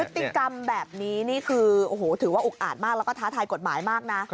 พฤติกรรมแบบนี้นี่คือโอ้โหถือว่าอุกอาดมากแล้วก็ท้าทายกฎหมายมากนะ